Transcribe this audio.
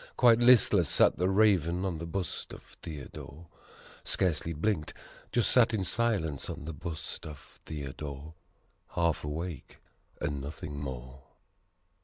Quite listless sat the Raven on the bust of Theodore. Scarcely blinked just sat in silence on the bust of Theodore: Half awake and nothing more.